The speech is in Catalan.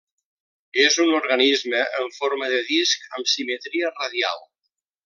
És un organisme en forma de disc amb simetria radial.